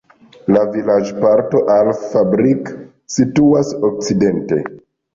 La vilaĝparto Alf-Fabrik situas okcidente.